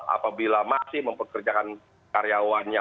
apabila masih mempekerjakan karyawannya